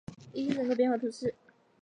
希伊人口变化图示